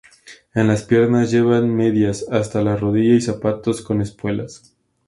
En las piernas llevan medias hasta la rodilla y zapatos con espuelas.